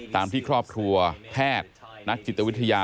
ตามที่ครอบครัวแพทย์นักจิตวิทยา